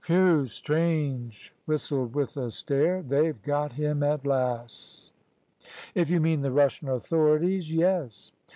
"Whew!" Strange whistled with a stare; "they've got him at las'." "If you mean the Russian authorities, yes."